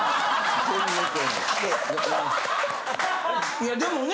いやでもね。